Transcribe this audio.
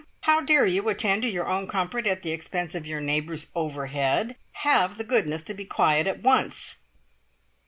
How dare you attend to your own comfort at the expense of your neighbours overhead? Have the goodness to be quiet at once!"